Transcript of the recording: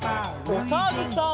おさるさん。